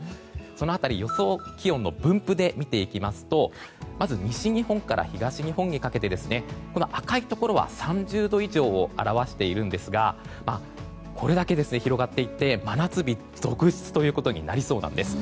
その辺り、予想気温の分布で見ていきますとまず西日本から東日本にかけて赤いところは３０度以上を表しているんですがこれだけ広がっていて真夏日続出となりそうなんです。